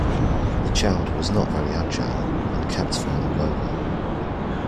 The child was not very agile, and kept falling over